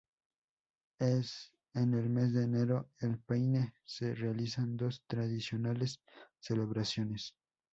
En el mes de enero, en Paine se realizan dos tradicionales celebraciones.